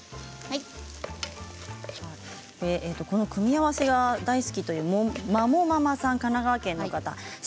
この組み合わせ大好きという神奈川県の方です。